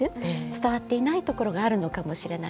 伝わっていないところがあるのかもしれない。